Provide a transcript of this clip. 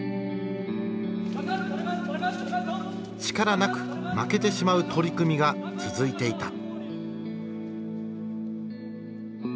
力なく負けてしまう取組が続いていた。